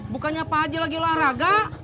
bukannya pak haji lagi olahraga